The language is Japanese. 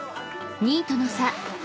［２位との差